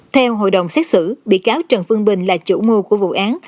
theo hội đồng xét xử bị cáo trần phương bình là chủ mưu của vụ án